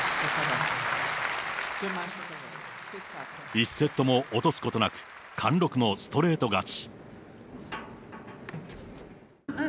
１セットも落とすことなく、貫禄のストレート勝ち。